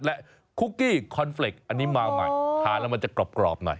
และคุกกี้คอนเฟรกต์อันนี้มาใหม่ทานแล้วมันจะกรอบหน่อย